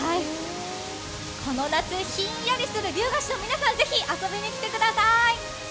この夏、ひんやりする竜ヶ岩に皆さん、ぜひ遊びに来てください！